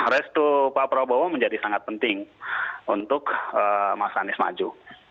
restu pak prabowo menjadi sangat penting untuk mas anies maju